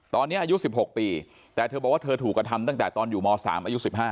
ตอนนี้อายุ๑๖ปีแต่เธอบอกว่าเธอถูกกระทำตั้งแต่ตอนอยู่ม๓อายุ๑๕